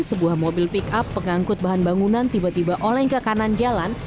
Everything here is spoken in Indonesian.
sebuah mobil pick up pengangkut bahan bangunan tiba tiba oleng ke kanan jalan